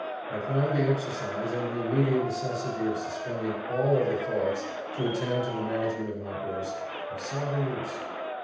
I found the exercise, and the immediate necessity of suspending all other thoughts to attend to the management of my horse, of sovereign use.